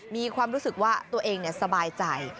มีความรู้สึกว่าตัวเองสบายใจ